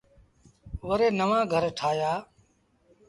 وري نوآن گھر ٺآهيآ۔